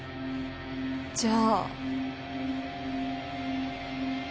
じゃあ。